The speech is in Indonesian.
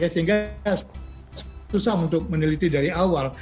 sehingga susah untuk meneliti dari awal